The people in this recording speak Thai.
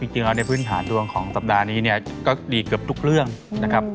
จริงแล้วในพื้นฐานดวงของสัปดาห์นี้เนี่ยก็ดีเกือบทุกเรื่องนะครับ